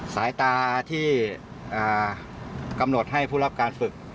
สายตาที่กำหนดให้ผู้รับการฝึก